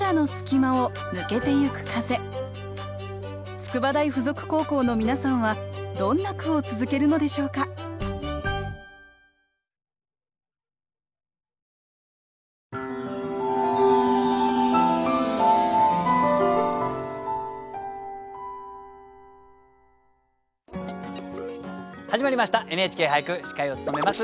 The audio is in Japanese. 筑波大附属高校の皆さんはどんな句を続けるのでしょうか始まりました「ＮＨＫ俳句」司会を務めます